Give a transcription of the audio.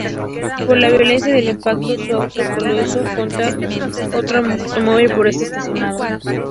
Por la violencia del impacto su auto colisionó contra otro automóvil que estaba estacionado.